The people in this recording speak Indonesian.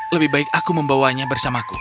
lebih baik aku membawanya bersamaku